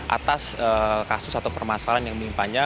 atas kasus atau permasalahan yang menimpanya